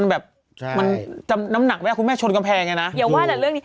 อย่าว่าแต่เรื่องนี้